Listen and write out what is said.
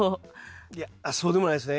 いやそうでもないですね。